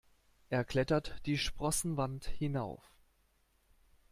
Er klettert die Sprossenwand hinauf.